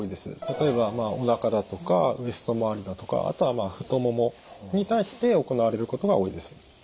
例えばおなかだとかウエスト周りだとかあとは太ももに対して行われることが多いです。